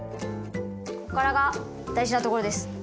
ここからが大事なところです。